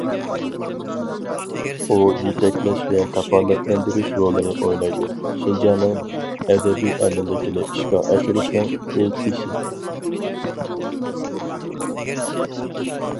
ئۇ يېتەكلەش ۋە كاپالەتلەندۈرۈش رولىنى ئوينايدۇ، شىنجاڭنىڭ ئەبەدىي ئەمىنلىكىنى ئىشقا ئاشۇرۇشنىڭ ئۇل تېشى.